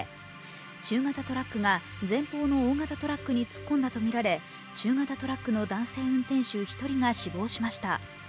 中型トラックが前方の大型トラックに突っ込んだとみられ中型トラックの男性運転手１人が死亡しました。